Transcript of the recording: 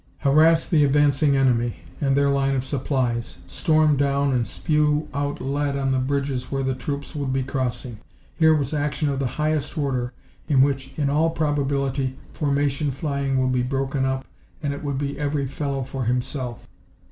Harass the advancing enemy! And their line of supplies! Storm down and spew out lead on the bridges where the troops would be crossing! Here was action of the highest order, in which, in all probability, formation flying would be broken up and it would be every fellow for himself.